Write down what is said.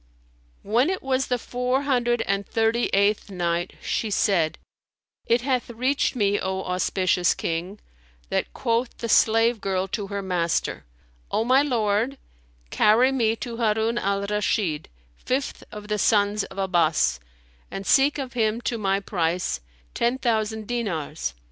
When it was the Four Hundred and Thirty eighth Night, She said, It hath reached me, O auspicious King, that quoth the slave girl to her master, "O my lord, carry me to Harun al Rashid, fifth of the sons of Abbas, and seek of him to my price ten thousand dinars.